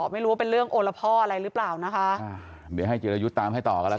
ไม่รู้ว่าเป็นเรื่องโอละพ่ออะไรหรือเปล่านะคะอ่าเดี๋ยวให้จิรยุทธ์ตามให้ต่อกันแล้วกัน